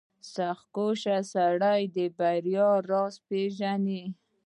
• سختکوش سړی د بریا راز پېژني.